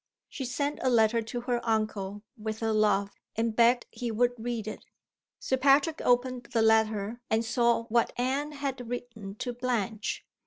She sent a letter to her uncle, with her love and begged he would read it. Sir Patrick opened the letter and saw what Anne had written to Blanche.